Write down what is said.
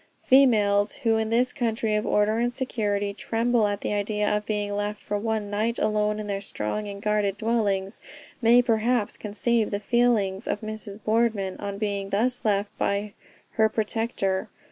Females, who in this country of order and security, tremble at the idea of being left for one night alone in their strong and guarded dwellings, may perhaps conceive the feelings of Mrs. Boardman on being thus left by her protector.